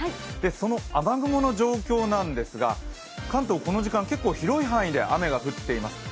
その雨雲の状況なんですが関東、この時間、結構広い範囲で雨が降っています。